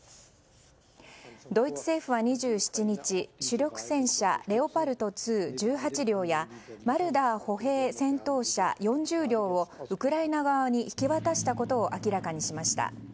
ドイツ政府は２７日主力戦車レオパルト２、１８両やマルダー歩兵戦闘車４０両をウクライナ側に引き渡したことを明らかにしました。